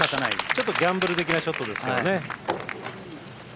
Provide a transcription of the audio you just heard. ちょっとギャンブル的なショットですけどね。